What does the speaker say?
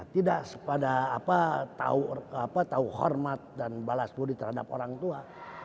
tidak pada tahu hormat dan balas budi terhadap orang tua